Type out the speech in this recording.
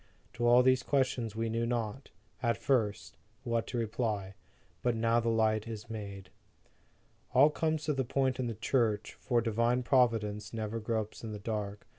To all these questions we knew not, at first, what to reply. But now the light is made. All comes to the point in the Church, for Divine Providence never gropes in the dark.